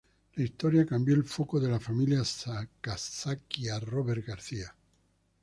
La historia cambió el foco de la familia Sakazaki a Robert García.